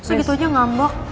bisa begitu aja ngambok